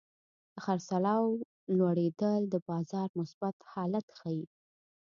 د خرڅلاو لوړېدل د بازار مثبت حالت ښيي.